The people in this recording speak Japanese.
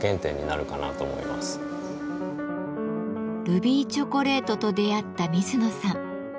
ルビーチョコレートと出会った水野さん。